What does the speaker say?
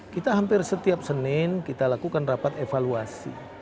kita hampir setiap senin kita lakukan rapat evaluasi